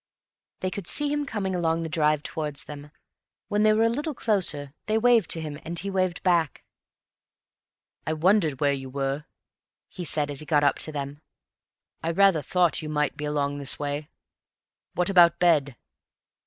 They could see him coming along the drive towards them. When they were a little closer, they waved to him and he waved back. "I wondered where you were," he said, as he got up to them. "I rather thought you might be along this way. What about bed?"